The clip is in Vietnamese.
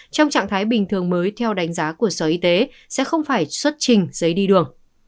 trong trạng thái bình thường mới theo đánh giá của sở y tế sẽ không phải xuất trình giấy đi đường